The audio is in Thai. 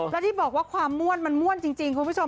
แล้วที่บอกว่าความม่วนมันม่วนจริงคุณผู้ชม